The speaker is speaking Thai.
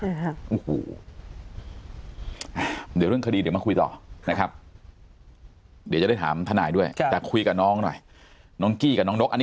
เดี๋ยวเรื่องคดีเดี๋ยวมาคุยต่อนะครับเดี๋ยวจะได้ถามทนายด้วยแต่คุยกับน้องหน่อยน้องกี้กับน้องนกอันนี้